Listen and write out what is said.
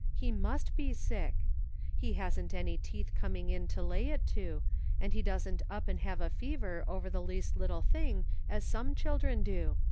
He must be sick. He hasn't any teeth coming to lay it to, and he doesn't up and have a fever over the least little thing as some children do.